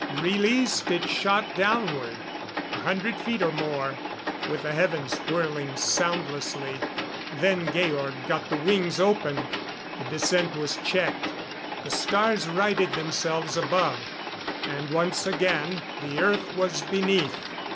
Released, it shot downward; a hundred feet or more, with the heavens whirling soundlessly. Then Georg got the wings open; the descent was checked; the stars righted themselves above, and once again the earth was beneath.